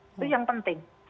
itu yang penting